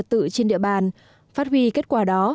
tự trên địa bàn phát huy kết quả đó